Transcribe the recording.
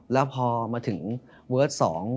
แล้วพอมาถึงเวิร์ส๒